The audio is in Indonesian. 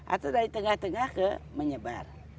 atau dari tengah tengah ke menyebar